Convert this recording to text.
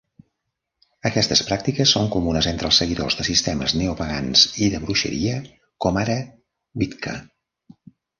Aquestes pràctiques són comunes entre els seguidors de sistemes neopagans i de bruixeria, com ara Wicca.